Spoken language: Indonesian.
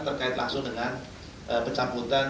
terkait langsung dengan pencabutan